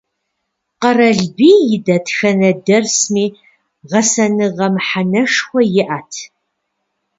Къэралбий и дэтхэнэ дерсми гъэсэныгъэ мыхьэнэшхуэ иӀэт.